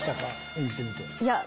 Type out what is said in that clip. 演じてみて。